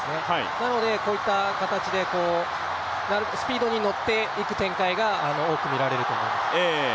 なのでこういった形でスピードに乗っていく展開が多くみられると思います。